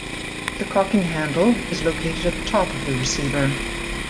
The cocking handle is located at the top of the receiver.